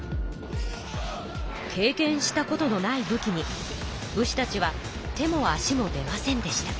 経験したことのない武器に武士たちは手も足も出ませんでした。